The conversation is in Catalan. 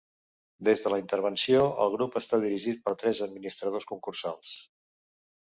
Des de la intervenció el grup està dirigit per tres administradors concursals.